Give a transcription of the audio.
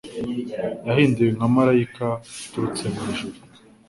yihinduye nka Marayika uturutse mu ijuru.